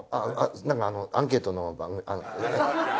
なんかアンケートの番組。